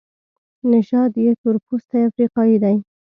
نژاد یې تورپوستی افریقایی دی.